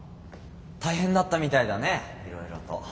大変だったみたいだねいろいろと。